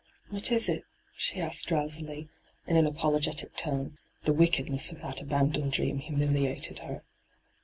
' What is it ?' she asked drowsily, in an apologetic tone ; the wickedness of that abandoned dream humiliated her.